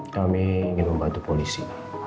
kami ingin membantu polisi